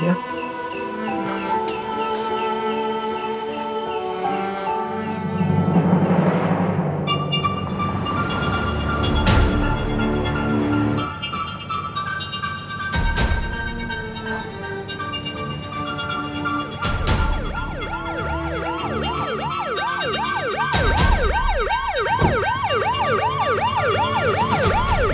udah luar kan